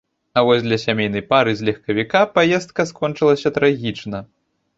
А вось для сямейнай пары з легкавіка паездка скончылася трагічна.